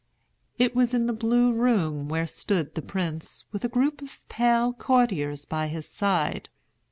It was in the blue room where stood the prince, with a group of pale courtiers by his side.